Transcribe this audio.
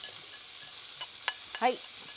はい。